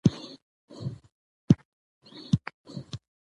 د مېلو له برکته خلک د خپل هویت سره تړاو ډېروي.